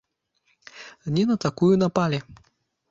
Не на такую напалі.